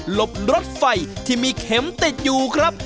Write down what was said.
รถไฟที่มีเข็มติดอยู่ครับ